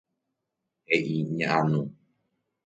He'i ña Anu.